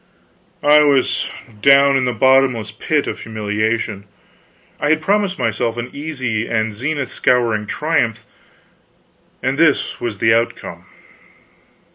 I was down in the bottomless pit of humiliation. I had promised myself an easy and zenith scouring triumph, and this was the outcome!